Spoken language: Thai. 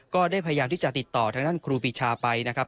ก็ได้พยายามที่จะติดต่อทางด้านครูปีชาไปนะครับ